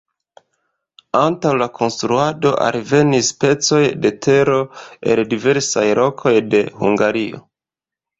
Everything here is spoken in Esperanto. Antaŭ la konstruado alvenis pecoj de tero el diversaj lokoj de Hungario.